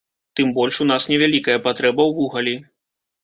Тым больш у нас невялікая патрэба ў вугалі.